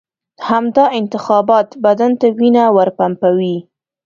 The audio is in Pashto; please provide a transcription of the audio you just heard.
همدا انتخابات بدن ته وینه ورپمپوي.